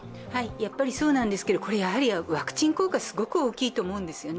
やはりそうなんですけど、これはワクチン効果がすごく大きいと思うんですね。